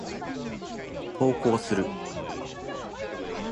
投稿する。